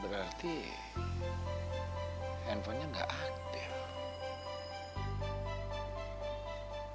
berarti handphonenya enggak aktif